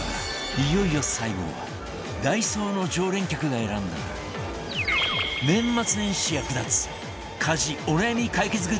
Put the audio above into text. いよいよ最後はダイソーの常連客が選んだ年末年始役立つ家事お悩み解決グッズ